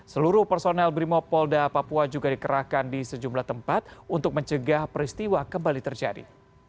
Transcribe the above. seluruh personel brimopolda papua juga dikerahkan di sejumlah tempat untuk mencegah peristiwa kembali terjadi